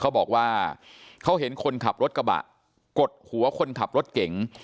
เขาบอกว่าเขาเห็นคนขับรถกระบะกดหัวคนขับรถเก่ง